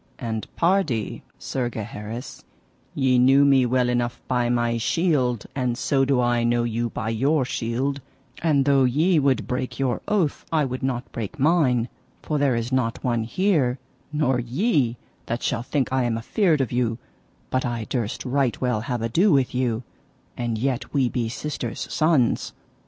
And pardie, Sir Gaheris, ye knew me well enough by my shield, and so do I know you by your shield, and though ye would break your oath I would not break mine; for there is not one here, nor ye, that shall think I am afeard of you, but I durst right well have ado with you, and yet we be sisters' sons.